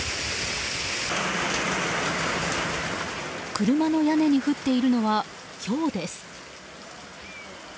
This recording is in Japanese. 車の屋根に降っているのはひょうです。